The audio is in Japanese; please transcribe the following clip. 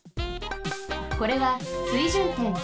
これは水準点。